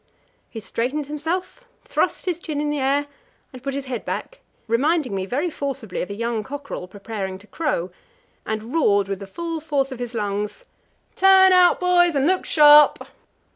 He straightened himself, thrust his chin in the air and put his head back reminding me very forcibly of a young cockerel preparing to crow and roared with the full force of his lungs: "Turn out, boys, and look sharp!"